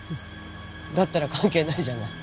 だったら関係ないじゃない。